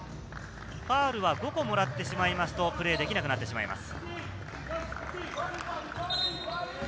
ファウルは５個もらってしまいますとプレーできなくなってしまいます。